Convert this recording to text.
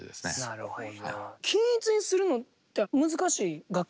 なるほど。